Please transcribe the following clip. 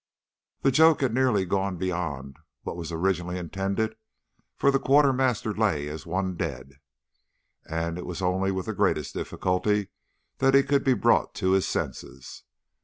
"The joke had nearly gone beyond what was originally intended, for the quartermaster lay as one dead, and it was only with the greatest difficulty that he could be brought to his senses.